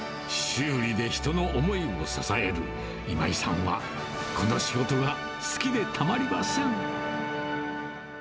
修理で人の思いを支える、今井さんはこの仕事が好きでたまりません。